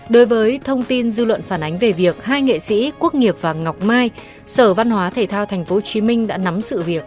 đối với thông tin dư luận phản ánh về việc hai nghệ sĩ quốc nghiệp và ngọc mai sở văn hóa thể thao tp hcm đã nắm sự việc